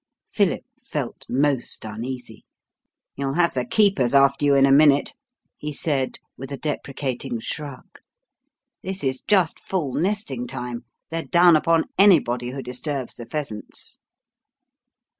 Philip felt most uneasy. "You'll have the keepers after you in a minute," he said, with a deprecating shrug. "This is just full nesting time. They're down upon anybody who disturbs the pheasants."